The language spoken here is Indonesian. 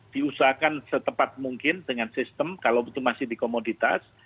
diusahakan setepat mungkin dengan sistem kalau itu masih dikomoditas